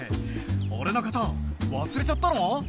俺のこと忘れちゃったの？